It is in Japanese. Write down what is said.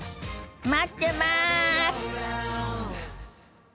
待ってます！